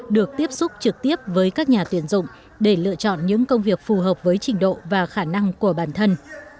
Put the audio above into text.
được tiếp xúc trực tiếp với các nhà tuyển dụng để lựa chọn những công việc phù hợp với trình độ và khả năng của bản thân